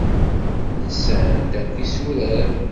Lsan-d akk isurad.